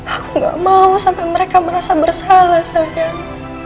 aku gak mau sampai mereka merasa bersalah sayang